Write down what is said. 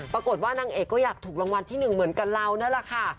ปรากฏว่านางเอกก็อยากถูกรางวัลที่หนึ่งเหมือนกับเรานั่นแหละค่ะ